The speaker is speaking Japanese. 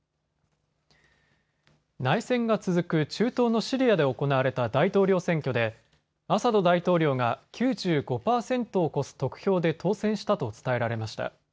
内戦が続く中東のシリアで行われた大統領選挙でアサド大統領が９５％を超す得票で当選したと伝えられました。